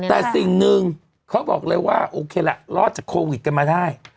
แต่สิ่งหนึ่งเขาบอกเลยว่าโอเคละรอดจากโควิดกันมาได้